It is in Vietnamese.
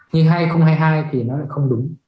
nhưng hai nghìn hai mươi hai thì nó lại không đúng